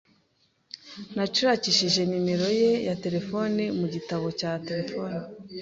Nashakishije nimero ye ya terefone mu gitabo cya terefone.